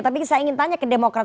tapi saya ingin tanya ke demokrat